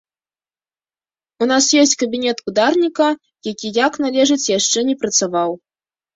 У нас ёсць кабінет ударніка, які як належыць яшчэ не працаваў.